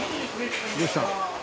どうしたん？